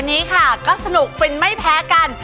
เราก็สนุกฟินไม่แพ้กัน